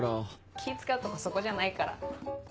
気ぃ使うとこそこじゃないから。